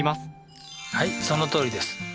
はいそのとおりです。